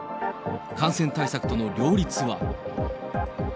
感染対策との両立は。